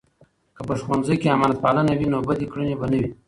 که په ښوونځۍ کې امانتپالنه وي، نو بدې کړنې به نه وي.